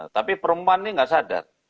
tapi perempuan ini nggak sadar